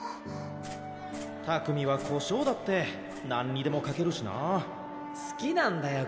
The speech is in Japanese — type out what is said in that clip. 拓海はこしょうだって何にでもかけるしなすきなんだよ